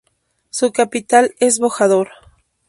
Su capital es Bojador.